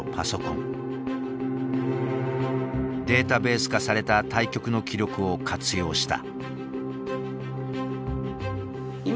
データベース化された対局の記録を活用した。